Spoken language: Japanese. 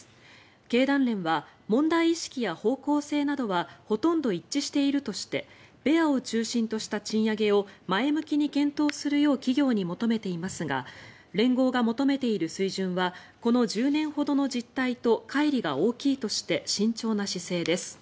経団連は問題意識や方向性などはほとんど一致しているとしてベアを中心とした賃上げを前向きに検討するよう企業に求めていますが連合が求めている水準はこの１０年ほどの実態とかい離が大きいとして慎重な姿勢です。